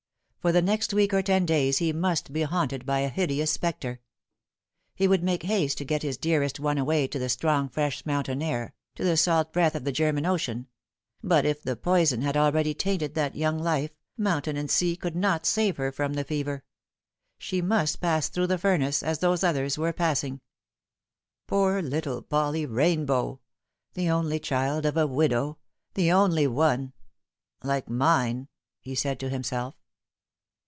For the next week or ten days he must be haunted by a hideous Bpectre. He would make haste to get his dearest one away to the strong fresh mountain air, to the salt breath of the German Ocean ; but if the poison had already tainted that young life, mountain and sea could not save her from the fever. She must pass through the furnace, as those others were passing. " Poor little Polly Eainbow ; the only child of a v/idow ; tho only one ; like mine," he said to himself.